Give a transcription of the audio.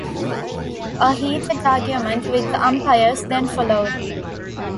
A heated argument with the umpires then followed.